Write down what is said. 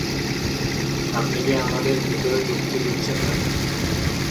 আপনি কি আমাদের ভিতরে ঢুকতে দিচ্ছেন না?